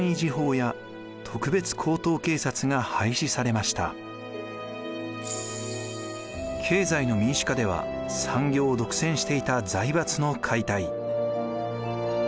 また経済の民主化では産業を独占していた財閥の解体。